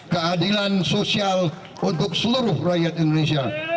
keadilan sosial untuk seluruh rakyat indonesia